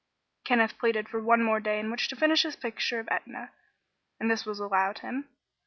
Kenneth pleaded for one more day in which to finish his picture of Etna, and this was allowed him.